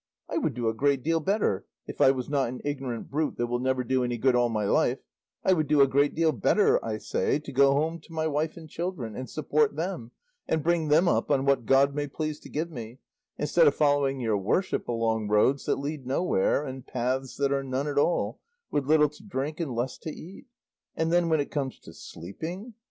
I would do a great deal better (if I was not an ignorant brute that will never do any good all my life), I would do a great deal better, I say, to go home to my wife and children and support them and bring them up on what God may please to give me, instead of following your worship along roads that lead nowhere and paths that are none at all, with little to drink and less to eat. And then when it comes to sleeping!